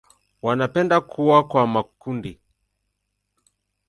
Wanapenda kuwa kwa makundi.